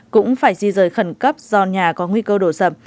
cũng phải di rời khẩn cấp do nhà có nguy cơ đổ sập